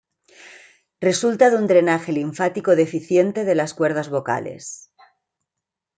Resulta de un drenaje linfático deficiente de las cuerdas vocales.